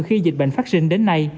từ khi dịch bệnh phát sinh đến nay